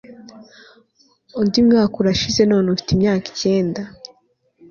undi mwaka urashize, none ufite imyaka icyenda